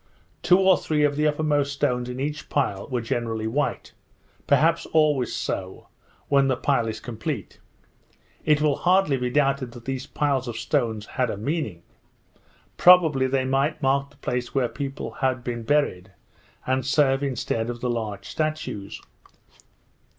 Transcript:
Two or three of the uppermost stones in each pile were generally white, perhaps always so, when the pile is complete. It will hardly be doubted that these piles of stone had a meaning; probably they might mark the place where people had been buried, and serve instead of the large statues.